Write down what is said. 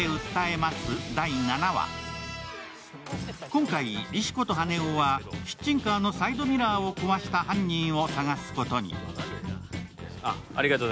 今回、石子と羽男はキッチンカーのサイドミラーを壊した犯人を捜すことに。